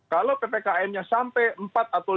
kalau ppkmnya sampai empat atau lima